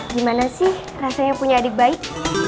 gimana sih rasanya punya adik baik